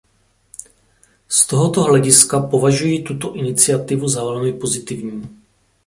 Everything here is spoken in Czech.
Z tohoto hlediska považuji tuto iniciativu za velmi pozitivní.